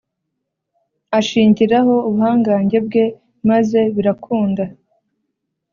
ashingiraho ubuhangange bwe maze birakunda